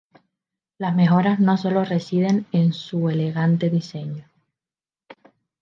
Las mejoras no solo residen en el su elegante diseño.